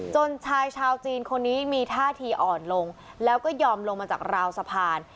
ชายชาวจีนคนนี้มีท่าทีอ่อนลงแล้วก็ยอมลงมาจากราวสะพาน